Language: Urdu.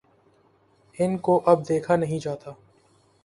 ان کو اب دیکھا نہیں جاتا۔